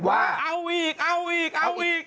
ว่าเอาอีกเอาอีกเอาอีก